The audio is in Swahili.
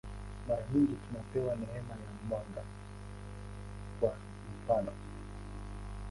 Mara nyingi tunapewa neema ya mwanga, kwa mfanof.